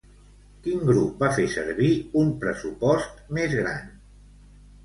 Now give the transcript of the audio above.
Quin grup va fer servir un pressupost més gran?